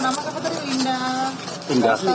anaknya linda sedang sakit